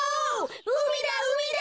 うみだうみだ！